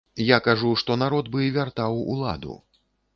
Я кажу, што народ бы вяртаў уладу.